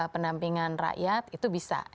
penampingan rakyat itu bisa